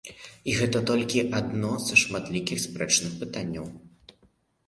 І гэта толькі адно са шматлікіх спрэчных пытанняў.